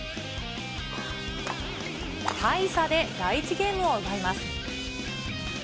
大差で第１ゲームを奪います。